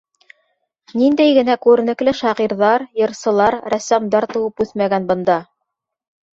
Ниндәй генә күренекле шағирҙар, йырсылар, рәссамдар тыуып үҫмәгән бында!